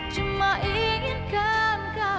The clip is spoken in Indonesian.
cuma inginkan kamu